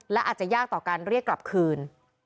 และอาจจะยากต่อการเรียกกลับคืน